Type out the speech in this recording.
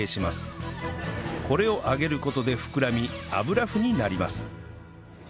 これを揚げる事で膨らみ油麩になります